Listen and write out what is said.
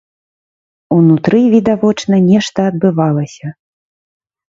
Унутры відавочна нешта адбывалася.